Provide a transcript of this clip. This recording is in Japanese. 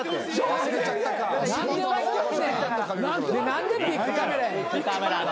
何でビックカメラや。